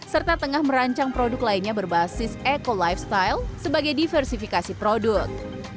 serta tengah merancang produk lainnya berbasis eco lifestyle sebagai diversifikasi produk